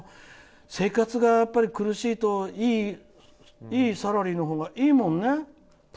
でも生活が苦しいといいサラリーのほうがいいもんね。